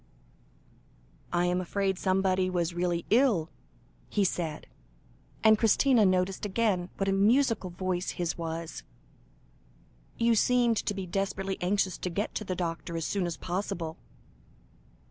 "I am afraid somebody was really ill?" he said, and Christina noticed again what a musical voice his was. "You seemed to be desperately anxious to get the doctor as soon as possible."